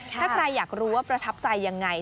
ถ้าใครอยากรู้ว่าประทับใจยังไง